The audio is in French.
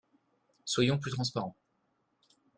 Soyons plus transparents.